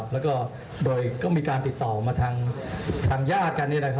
แล้วก็มีการติดต่อมาทางญาติกัน